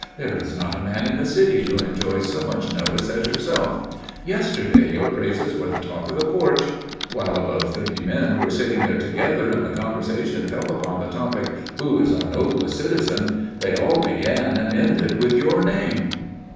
There is not a man in the city who enjoys so much notice as yourself. Yesterday your praises were the talk of the Porch. While above thirty men were sitting there together and the conversation fell upon the topic: 'Who is our noblest citizen?' they all began and ended with your name."